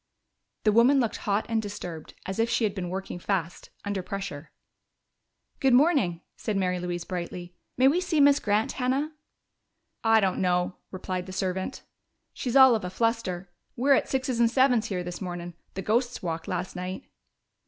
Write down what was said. The woman looked hot and disturbed, as if she had been working fast, under pressure. "Good morning," said Mary Louise brightly. "May we see Miss Grant, Hannah?" "I don't know," replied the servant. "She's all of a fluster. We're at sixes and sevens here this mornin'. The ghosts walked last night."